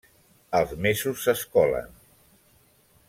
Els mesos s'escolen.